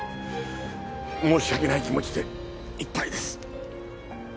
申し訳ない気持ちでいっぱいです。